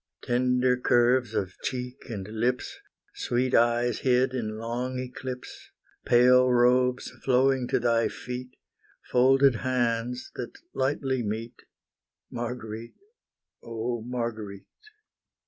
Tender curves of cheek and lips Sweet eyes hid in long eclipse Pale robes flowing to thy feet Folded hands that lightly meet, Marguerite, oh Marguerite!